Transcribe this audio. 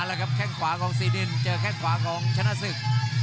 แล้วครับแข้งขวาของซีดินเจอแข้งขวาของชนะศึก